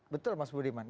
betul mas budiman